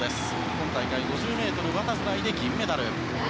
今大会５０ｍバタフライで銀メダル。